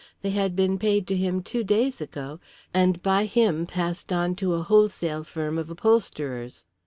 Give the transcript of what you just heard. They had been paid to him two days ago and by him passed on to a wholesale firm of upholsterers.